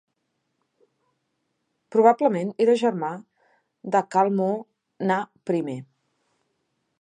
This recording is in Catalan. Probablement era germà de Ahkal Mo' Nahb I.